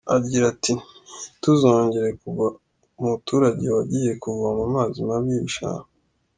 Agira ati “Ntituzongere kuva umuturage wagiye kuvoma amazi mabi y’ibishanga.”